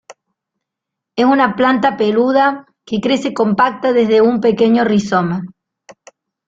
Es una planta peluda que crece compacta desde un pequeño rizoma.